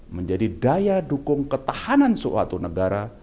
menjadi daya dukung ketahanan suatu negara